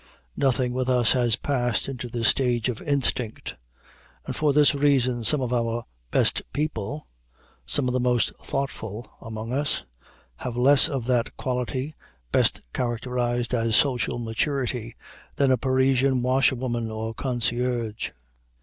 Nothing with us has passed into the stage of instinct. And for this reason some of our "best people," some of the most "thoughtful" among us, have less of that quality best characterized as social maturity than a Parisian washerwoman or concierge.